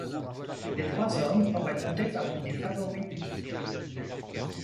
Les trois hommes auraient compté parmi les favoris du duc.